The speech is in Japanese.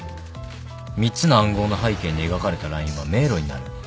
３つの暗号の背景に描かれたラインは迷路になる。